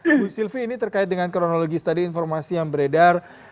ibu sylvi ini terkait dengan kronologis tadi informasi yang beredar